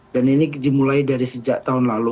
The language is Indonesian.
dan ini dimulai dari sejak tahun lalu